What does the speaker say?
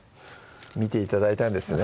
見て頂いたんですね